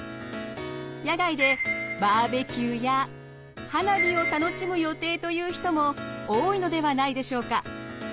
野外でバーベキューや花火を楽しむ予定という人も多いのではないでしょうか。